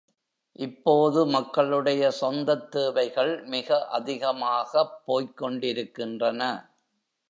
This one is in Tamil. இப்போது மக்களுடைய சொந்தத் தேவைகள் மிக அதிகமாகப் போய்க் கொண்டிருக்கின்றன.